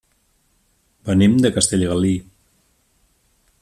Venim de Castellgalí.